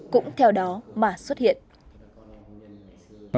cũng theo đó mà xuất hiện